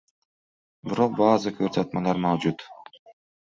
Biroq baʼzi ko‘rsatmalar mavjud.